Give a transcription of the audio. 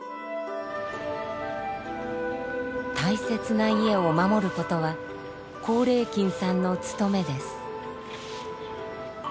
大切な家を守ることは光礼金さんの務めです。